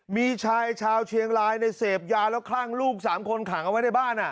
มีชายชาวเชียงรายในเสพยาแล้วคลั่งลูก๓คนขังเอาไว้ในบ้าน